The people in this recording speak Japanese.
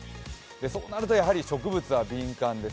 そうなると植物は敏感です。